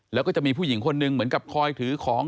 แล้วก็จะมีผู้หญิงคนหนึ่งเหมือนกับคอยถือของ